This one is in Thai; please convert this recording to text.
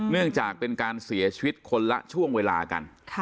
เนื่องจากเป็นการเสียชีวิตคนละช่วงเวลากัน